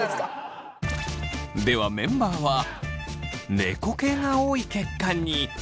ではメンバーは猫系が多い結果に！